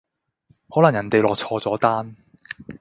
可能人哋落錯咗單